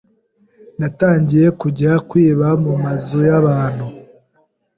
Natangiye kujya kwiba mu mazu y’abantu